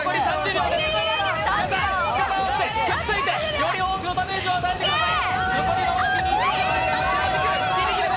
より多くのダメージを与えてください。